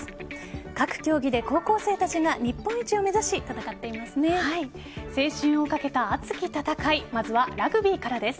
各競技で高校生たちが日本一を目指し戦っていますね。